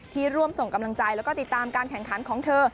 ร่วมส่งกำลังใจแล้วก็ติดตามการแข่งขันของเธอ